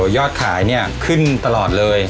ยอดขายเนี่ยขึ้นตลอดเลย